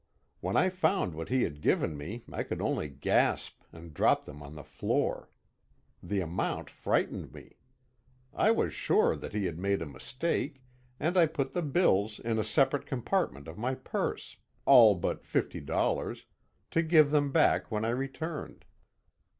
When I found what he had given me I could only gasp and drop them on the floor. The amount frightened me. I was sure that he had made a mistake, and I put the bills in a separate compartment of my purse, all but fifty dollars, to give them back when I returned.